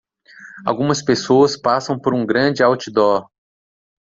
Algumas pessoas passam por um grande outdoor.